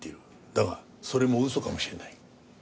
だがそれも嘘かもしれない。